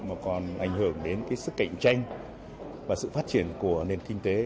mà còn ảnh hưởng đến sức cạnh tranh và sự phát triển của nền kinh tế